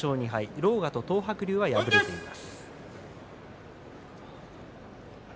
狼雅、東白龍は敗れています。